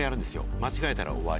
間違えたら終わり。